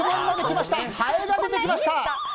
ハエが出てきました。